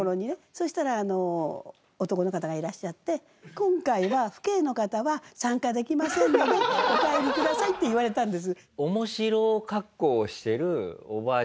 そしたら男の方がいらっしゃって「今回は父兄の方は参加できませんのでお帰りください」って言われたんです。